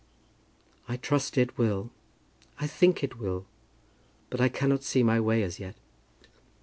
"I trust it will. I think it will. But I cannot see my way as yet."